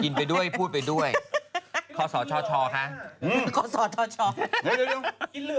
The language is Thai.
กินไปด้วยพูดไปด้วยขอสอช่อช่อค่ะขอสอช่อช่อเดี๋ยว